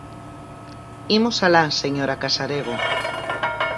Imos alá, señora Casarego.